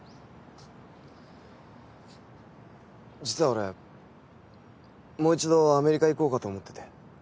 実は俺もう一度アメリカ行こうかと思ってて。